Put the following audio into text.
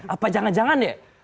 apa jangan jangan ya